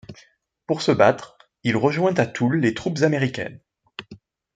Pour se battre, il rejoint à Toul les troupes américaines.